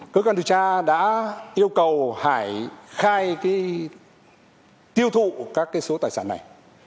cơ quan điều tra đã yêu cầu hải khai tiêu thụ các số tài sản này